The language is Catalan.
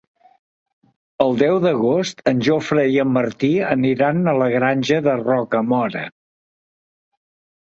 El deu d'agost en Jofre i en Martí aniran a la Granja de Rocamora.